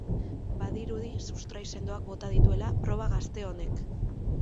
Badirudi sustrai sendoak bota dituela proba gazte honek.